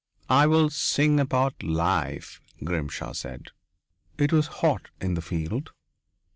"I will sing about life," Grimshaw said. It was hot in the field.